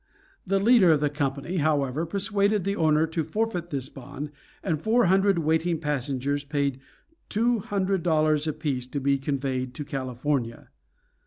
The leader of the company, however, persuaded the owner to forfeit this bond, and four hundred waiting passengers paid two hundred dollars apiece to be conveyed to California.